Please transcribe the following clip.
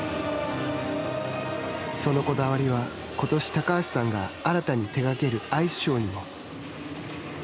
そのこだわりは、ことし高橋さんが新たに手がけるアイスショーにも。